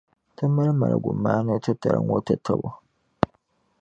Ti mali maligumaani’ titali ŋɔ tatabo.